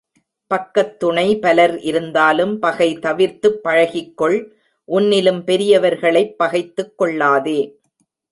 பக்கத்துணை பலர் இருந்தாலும் பகை தவிர்த்துப் பழகிக்கொள் உன்னிலும் பெரியவர்களைப் பகைத்துக் கொள்ளாதே.